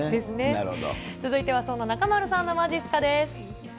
続いては、そんな中丸さんのまじっすかです。